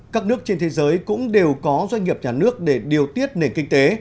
các nước trên thế giới cũng đều có doanh nghiệp nhà nước để điều tiết nền kinh tế